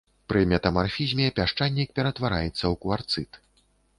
Пры метамарфізме пясчанік ператвараецца ў кварцыт.